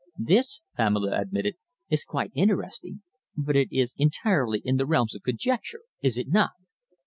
"This," Pamela admitted, "is quite interesting, but it is entirely in the realms of conjecture, is it not?"